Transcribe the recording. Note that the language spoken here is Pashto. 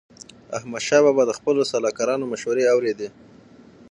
احمدشاه بابا د خپلو سلاکارانو مشوري اوريدي.